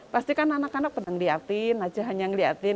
pasti kan anak anak pernah ngeliatin aja hanya ngeliatin